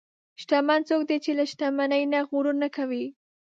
شتمن څوک دی چې له شتمنۍ نه غرور نه کوي.